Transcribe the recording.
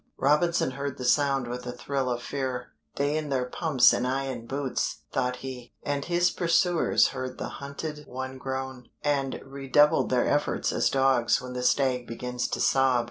Robinson heard the sound with a thrill of fear: "They in their pumps and I in boots," thought he, and his pursuers heard the hunted one groan, and redoubled their efforts as dogs when the stag begins to sob.